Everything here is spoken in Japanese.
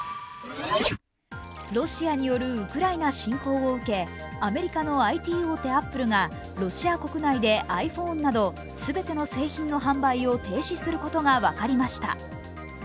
ロシアによるウクライナ侵攻を受け、アメリカのＩＴ大手アップルがロシア国内でｉＰｈｏｎｅなど全ての製品の販売を停止することが分かりました。